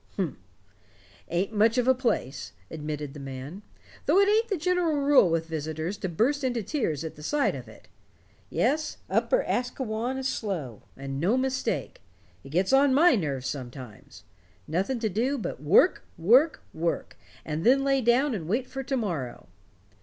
"H'm it ain't much of a place," admitted the man, "though it ain't the general rule with visitors to burst into tears at sight of it. Yes, Upper Asquewan is slow, and no mistake. It gets on my nerves sometimes. Nothing to do but work, work, work, and then lay down and wait for to morrow.